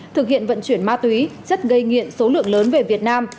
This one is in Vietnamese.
thực hiện vận chuyển ma túy chất gây nghiện số lượng lớn về việt nam